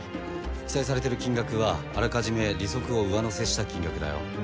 記載されてる金額はあらかじめ利息を上乗せした金額だよ。